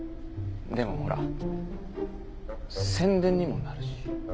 でもほら宣伝にもなるし。